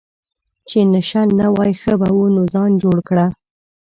چې نشه نه وای ښه به وو، نو ځان جوړ کړه.